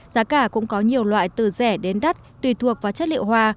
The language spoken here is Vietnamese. giá cả cũng có nhiều loại từ rẻ đến đắt tùy thuộc vào chất liệu hoa